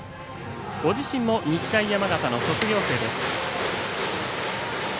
ご自身も日大山形の卒業生です。